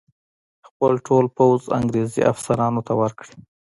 خپل ټول پوځ انګرېزي افسرانو ته ورکړي.